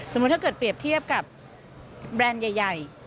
ถ้าเกิดเปรียบเทียบกับแบรนด์ใหญ่